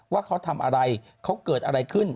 ว่าเขาทำอะไรเขาเกิดอะไรขึ้น